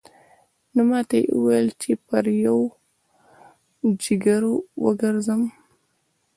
نو ماته يې وويل چې پر پوجيگرو وگرځم.